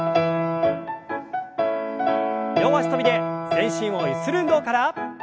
両脚跳びで全身をゆする運動から。